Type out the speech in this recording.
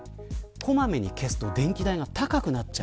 小まめに消すと電気代が高くなります。